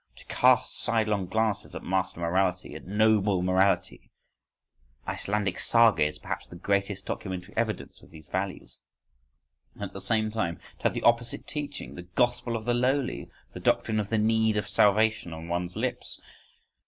To cast side long glances at master morality, at noble morality (—Icelandic saga is perhaps the greatest documentary evidence of these values), and at the same time to have the opposite teaching, the "gospel of the lowly," the doctrine of the need of salvation, on one's lips!